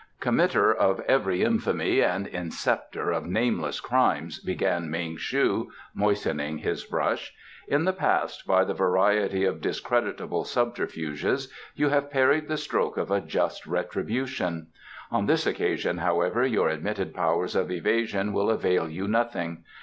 "Committer of every infamy and inceptor of nameless crimes," began Ming shu, moistening his brush, "in the past, by the variety of discreditable subterfuges, you have parried the stroke of a just retribution. On this occasion, however, your admitted powers of evasion will avail you nothing.